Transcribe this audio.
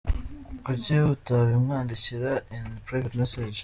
Kuki utabimwandikira in a private message?